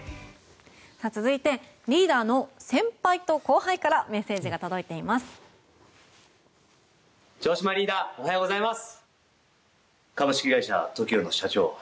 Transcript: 続いてリーダーの先輩と後輩からメッセージが届いています。